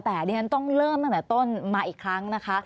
แต่ดิฉันต้องเริ่มตั้งแต่ต้นมาอีกครั้งนะคะ